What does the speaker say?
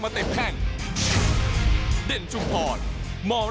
ทันตะขม